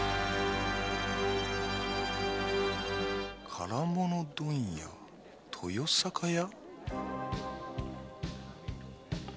唐物問屋豊栄屋？